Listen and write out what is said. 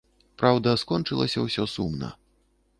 Праўда, скончылася ўсё сумна.